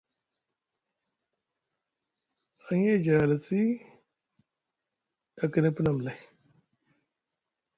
Ahiyeje a halasi, a kini pini amlay.